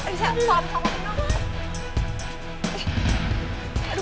kok bisa ada kalung ini